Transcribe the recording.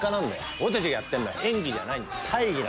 俺たちがやってるのは演技じゃないんだ。